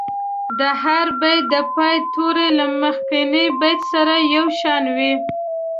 د هر بیت د پای توري له مخکني بیت سره یو شان وي.